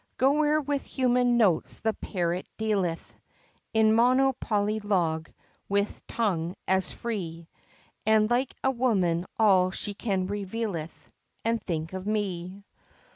Go where with human notes the parrot dealeth In mono polly logue with tongue as free, And, like a woman, all she can revealeth, And think of me!